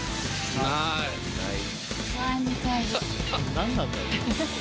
何なんだろう？